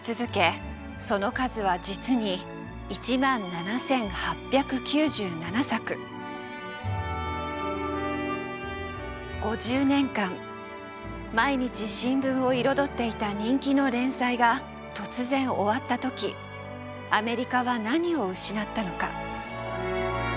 その数は実に５０年間毎日新聞を彩っていた人気の連載が突然終わった時アメリカは何を失ったのか。